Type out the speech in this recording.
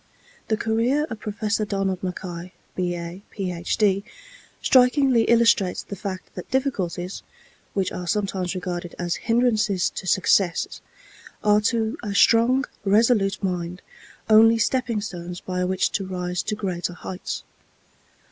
The career of Professor Donald Mackay, B.A., Ph.D., strikingly illustrates the fact that difficulties, which are sometimes regarded as hindrances to success, are to a strong, resolute mind only stepping stones by which to rise to greater heights.